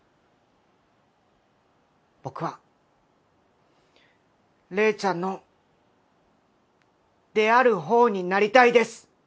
僕は麗ちゃんのである方になりたいです！